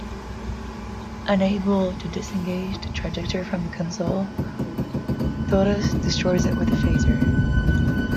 Unable to disengage the trajector from the console, Torres destroys it with a phaser.